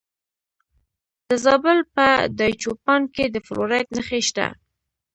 د زابل په دایچوپان کې د فلورایټ نښې شته.